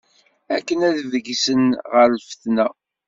Akken ad d-beggsen ɣer lfetna.